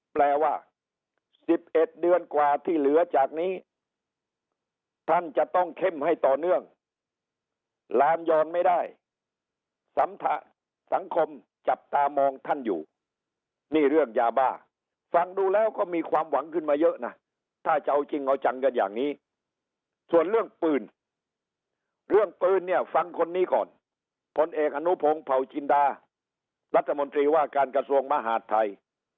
แปลว่า๑๑เดือนกว่าที่เหลือจากนี้ท่านจะต้องเข้มให้ต่อเนื่องลามยอนไม่ได้สัมสังคมจับตามองท่านอยู่นี่เรื่องยาบ้าฟังดูแล้วก็มีความหวังขึ้นมาเยอะนะถ้าจะเอาจริงเอาจังกันอย่างนี้ส่วนเรื่องปืนเรื่องปืนเนี่ยฟังคนนี้ก่อนผลเอกอนุพงศ์เผาจินดารัฐมนตรีว่าการกระทรวงมหาดไทย